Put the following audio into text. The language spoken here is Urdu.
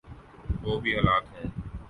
جو بھی حالات ہوں۔